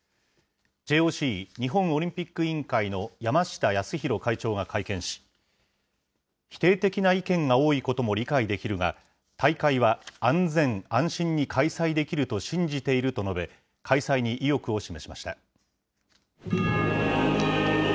ＪＯＣ・日本オリンピック委員会の山下泰裕会長が会見し、否定的な意見が多いことも理解できるが、大会は安全安心に開催できると信じていると述べ、開催に意欲を示しました。